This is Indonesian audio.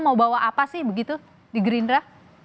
mau bawa apa sih begitu di gerindra